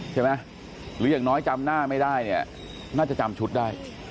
หรืออย่างน้อยจำหน้าไม่ได้เนี่ยน่าจะจำชุดได้